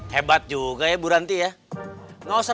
hebat juga ya bu ranti ya